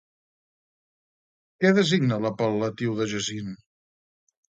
Què designa l'apel·latiu de Jacint?